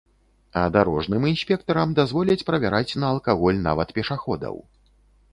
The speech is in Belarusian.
А дарожным інспектарам дазволяць правяраць на алкаголь нават пешаходаў.